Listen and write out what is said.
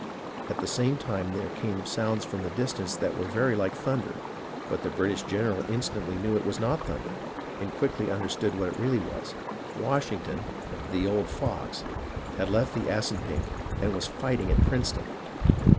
At the same time there came sounds from the distance that were very like thunder ; but the British general instantly knew it was not thunder, and as quickly understood what it really was — Washington, "the old fox," had left the Assunpink and was fighting at Princeton